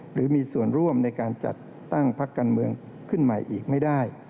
หรือมีส่วนร่วมในการจัดตั้งพักการเมืองขึ้นใหม่อีกไม่ได้